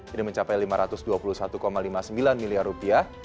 ini mencapai lima ratus dua puluh satu lima puluh sembilan miliar rupiah